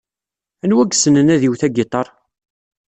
Anwa yessnen ad iwet agiṭar?